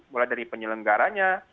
mulai dari penyelenggaranya